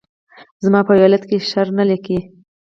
زما په يو حالت کښې شر نه لګي